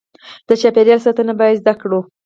د چاپیریال ساتنه باید زده کړو.